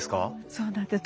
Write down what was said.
そうなんです。